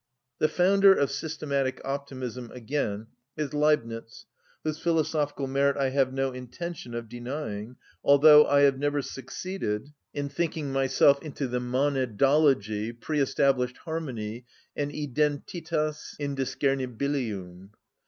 The founder of systematic optimism, again, is Leibnitz whose philosophical merit I have no intention of denying although I have never succeeded in thinking myself into the monadology, pre‐established harmony, and identitas indiscernibilium.